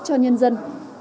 cho nhân dân